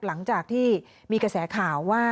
หลังจากที่มีกระแสข่าวว่า